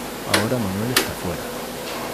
Ahora Manuel está fuera.